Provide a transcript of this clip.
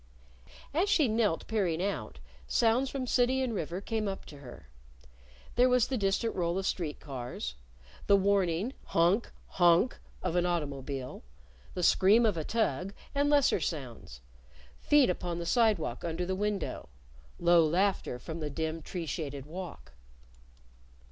As she knelt, peering out, sounds from city and river came up to her. There was the distant roll of street cars, the warning; honk! honk! of an automobile, the scream of a tug; and lesser sounds feet upon the sidewalk under the window, low laughter from the dim, tree shaded walk.